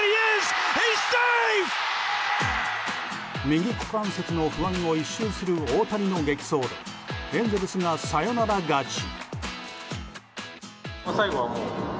右股関節の不安を一蹴する大谷の激走でエンゼルスがサヨナラ勝ち。